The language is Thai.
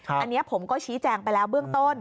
อันนี้ผมก็ชี้แจงไปแล้วเบื้องต้น